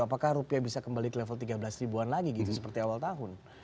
apakah rupiah bisa kembali ke level tiga belas ribuan lagi gitu seperti awal tahun